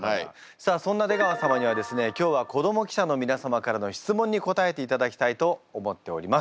さあそんな出川様にはですね今日は子ども記者の皆様からの質問に答えていただきたいと思っております。